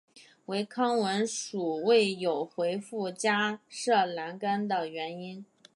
唯康文署未有回覆加设栏杆的原因。